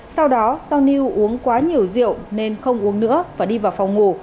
sau đó do niu uống quá nhiều rượu nên không uống nữa và đi vào phòng ngủ